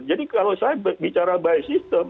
jadi kalau saya bicara by system